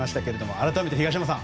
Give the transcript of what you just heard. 改めて東山さん